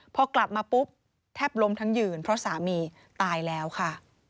พอกลับมาปุ๊บแทบล้มทั้งยืนเพราะสามีตายแล้วค่ะ